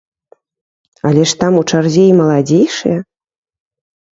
Але ж там у чарзе і маладзейшыя!